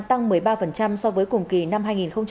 tăng một mươi ba so với cùng kỳ năm hai nghìn một mươi tám